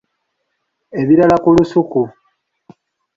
Ebirala ku lusuku.